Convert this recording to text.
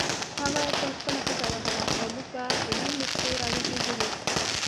هغه تل خپله ښځه وهله او موږ به په نیمو شپو راویښېدلو.